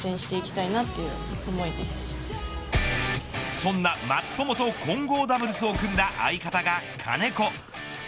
そんな松友と混合ダブルスを組んだ相方が、金子。